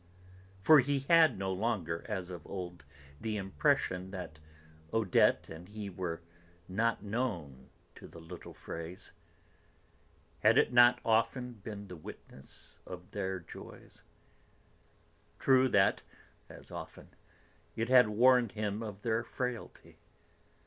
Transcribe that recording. For he had no longer, as of old, the impression that Odette and he were not known to the little phrase. Had it not often been the witness of their joys? True that, as often, it had warned him of their frailty.